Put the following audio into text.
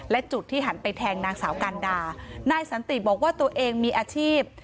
และจุดที่หันไปแทงนางสาวกันดานายสันติบอกว่าตัวเองมีอาชีพ